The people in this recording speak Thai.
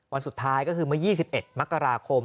วันสุดท้ายก็คือเมื่อ๒๑มกราคม